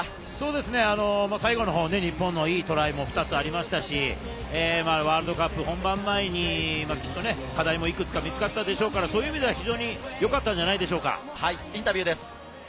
日本の戦い、上田さんに日本のいいトライも２つありましたし、ワールドカップ本番前にきっと課題もいくつか見つかったでしょうから、そういう意味では良かったのではないでしょうか。